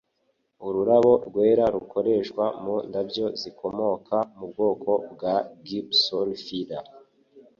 Ururabo rwera rukoreshwa mu ndabyo zikomoka mu bwoko bwa Gypsophila